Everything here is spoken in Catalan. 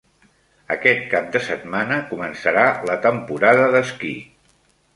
Aquest cap de setmana començarà la temporada d'esquí.